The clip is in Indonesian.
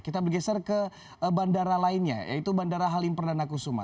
kita bergeser ke bandara lainnya yaitu bandara halim perdana kusuma